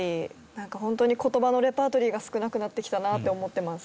なんかホントに言葉のレパートリーが少なくなってきたなって思ってます。